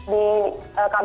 biasanya ada buka puasa